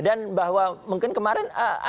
dan bahwa mungkin kemarin ada